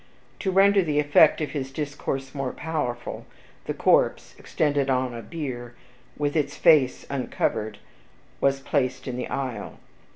To render the effect of his discourse more powerful, the corse, extended on a bier, with its face uncovered, was placed in the aisle.